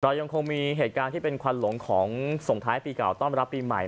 ยังคงมีเหตุการณ์ที่เป็นควันหลงของส่งท้ายปีเก่าต้อนรับปีใหม่